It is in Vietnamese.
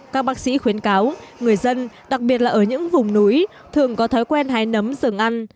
các bác sĩ khuyến cáo người dân đặc biệt là ở những vùng núi thường có thói quen hái nấm rừng ăn